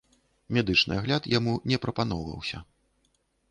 Медычны агляд яму не прапаноўваўся.